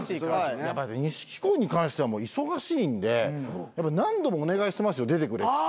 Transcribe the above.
錦鯉に関しては忙しいんで何度もお願いしてますよ出てくれっつって。